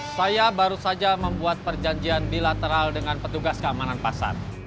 saya baru saja membuat perjanjian bilateral dengan petugas keamanan pasar